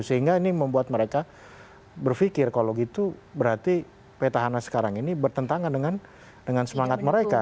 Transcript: sehingga ini membuat mereka berpikir kalau gitu berarti petahana sekarang ini bertentangan dengan semangat mereka